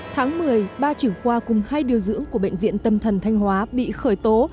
tháng một mươi ba trưởng khoa cùng hai điều dưỡng của bệnh viện tâm thần thanh hóa bị khởi tố